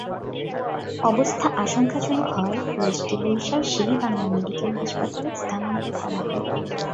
অবস্থা আশঙ্কাজনক হওয়ায় রোজিকে বরিশাল শের-ই-বাংলা মেডিকেল হাসপাতালে স্থানান্তর করা হয়।